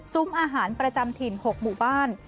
อาหารประจำถิ่น๖หมู่บ้าน